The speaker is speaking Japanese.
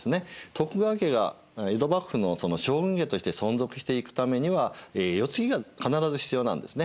徳川家が江戸幕府のその将軍家として存続していくためにはえ世継ぎが必ず必要なんですね。